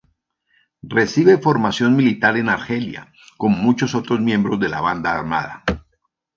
Recibe formación militar en Argelia, como muchos otros miembros de la banda armada.